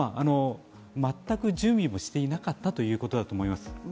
全く準備もしていなかったということだと思います。